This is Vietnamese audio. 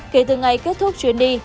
kể từ ngày kết thúc chuyến đi